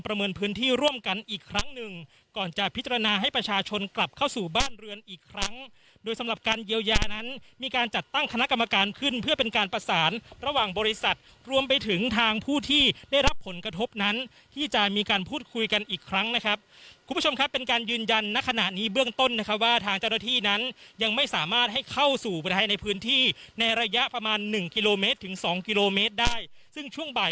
ประเมินพื้นที่ร่วมกันอีกครั้งหนึ่งก่อนจะพิจารณาให้ประชาชนกลับเข้าสู่บ้านเรือนอีกครั้งโดยสำหรับการเยียวยานั้นมีการจัดตั้งคณะกรรมการขึ้นเพื่อเป็นการประสานระหว่างบริษัทรวมไปถึงทางผู้ที่ได้รับผลกระทบนั้นที่จะมีการพูดคุยกันอีกครั้งนะครับคุณผู้ชมครับเป็นการยืนยันในขณะนี้เบื้